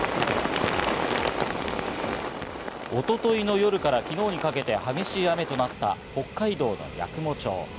一昨日の夜から昨日にかけて激しい雨となった北海道・八雲町。